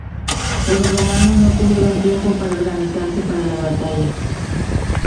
Los romanos no tuvieron tiempo para organizarse para la batalla.